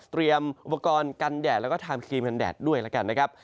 อุปกรณ์กันแดดแล้วก็ทำครีมกันแดดด้วยแล้วกันนะครับ